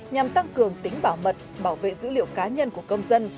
nhằm tăng cường tính bảo mật bảo vệ dữ liệu cá nhân của công dân